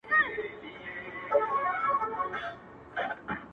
چي يې سم نيمی له ياده يم ايستلی _